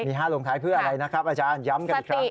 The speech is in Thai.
มี๕ลงท้ายเพื่ออะไรนะครับอาจารย์ย้ำกันอีกครั้ง